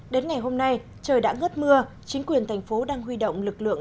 đến ngày hôm nay trời đã ngớt mưa chính quyền thành phố đang huy động lực lượng